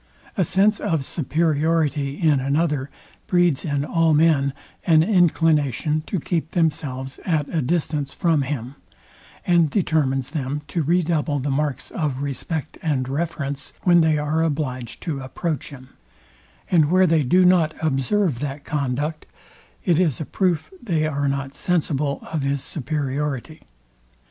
A sense of superiority in another breeds in all men an inclination to keep themselves at a distance from him, and determines them to redouble the marks of respect and reverence, when they are obliged to approach him; and where they do not observe that conduct, it is a proof they are not sensible of his superiority.